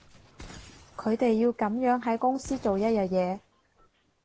佢哋要噉樣喺公司做一日嘢